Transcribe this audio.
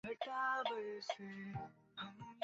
সরকারি কাগজ লেখক তোমাকে কাগজে মেরে ফেলেছে।